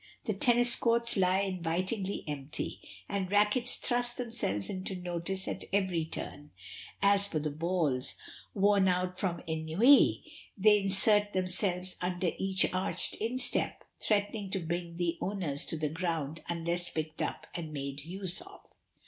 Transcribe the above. The Tennis courts lie invitingly empty, and rackets thrust themselves into notice at every turn; as for the balls, worn out from ennui, they insert themselves under each arched instep, threatening to bring the owners to the ground unless picked up and made use of.